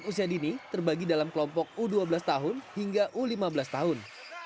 usia dini terbagi dalam kelompok u dua belas tahun hingga u lima belas tahun